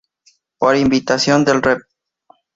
Por invitación del Rev.